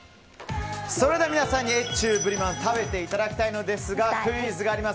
それでは、皆さんに越中ぶりまんを食べていただきたいのですがクイズがあります。